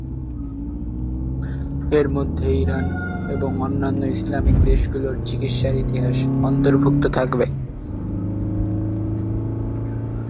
এর মধ্যে ইরান এবং অন্যান্য ইসলামিক দেশগুলির চিকিৎসার ইতিহাস অন্তর্ভুক্ত থাকবে।